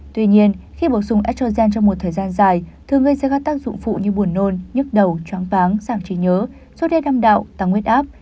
tuy nhiên khi bổ sung estrogen trong một thời gian dài thường gây ra các tác dụng phụ như buồn nôn nhức đầu chóng váng giảm trí nhớ số đe đâm đạo tăng huyết áp